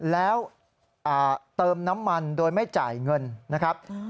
แล้วเติมน้ำมันโดยไม่จ่ายเงินนะครับ